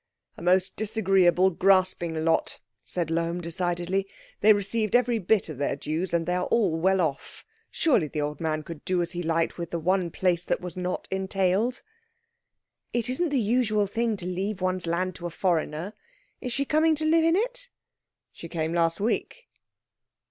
"A most disagreeable, grasping lot," said Lohm decidedly. "They received every bit of their dues, and are all well off. Surely the old man could do as he liked with the one place that was not entailed?" "It isn't the usual thing to leave one's land to a foreigner. Is she coming to live in it?" "She came last week."